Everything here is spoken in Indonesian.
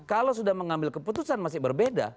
kalau sudah mengambil keputusan masih berbeda